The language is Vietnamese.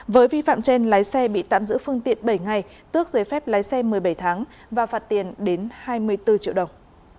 với vi phạm trên lái xe bị tạm giữ phương tiện bảy ngày tước giấy phép lái xe một mươi bảy tháng và phạt tiền đến hai mươi bốn triệu đồng